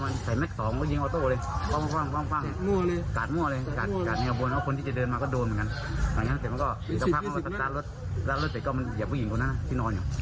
หลังจากนั้นแต่มันก็อีกสักพักลาดรถเสร็จก็เหยียบผู้หญิงคนหน้าที่นอนอยู่